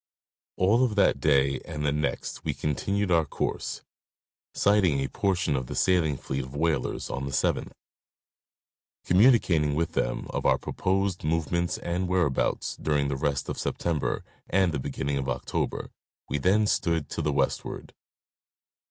All of that day and the next we continued our course, sighting a portion of the sailing fleet of whalers on the 7th. Communi cating with them of our proposed movements and whereabouts during the rest of September and the beginning of October, we then stood to the westward.